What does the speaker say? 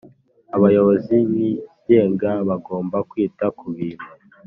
Abayobozi b ibigega bagomba kwita ku bintu